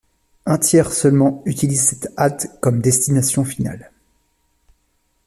Un tiers seulement utilise cette halte comme destination finale.